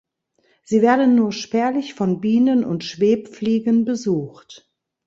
Sie werden nur spärlich von Bienen und Schwebfliegen besucht.